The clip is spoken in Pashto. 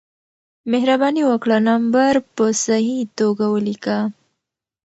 مهربانې وکړه نمبر په صحیح توګه ولېکه